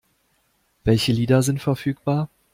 Welche Lieder sind verfügbar?